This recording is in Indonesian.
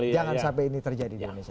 jangan sampai ini terjadi di indonesia